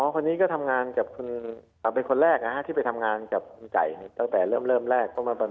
คนนี้ก็ทำงานกับคุณเป็นคนแรกที่ไปทำงานกับคุณไก่ตั้งแต่เริ่มแรกประมาณ